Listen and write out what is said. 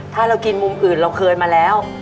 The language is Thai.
ถ้าเรากินมุมอื่นเราเคยมาแล้ว